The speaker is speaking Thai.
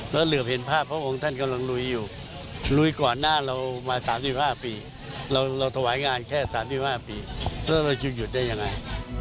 แล้วเหลือเห็นภาพพระองค์ท่านกำลังลุยอยู่ลุยก่อนหน้าเรามา๓๕ปีเราถวายงานแค่๓๕ปีแล้วเราจะหยุดได้ยังไง